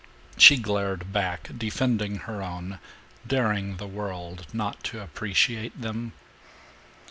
She glared back, defending her own, daring the world not to appreciate them.